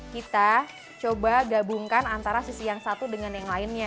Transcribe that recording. kita coba gabungkan antara sisi yang satu dengan yang lainnya